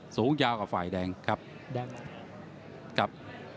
สูงยาวกว่าฝ่ายแดงครับแดงครับ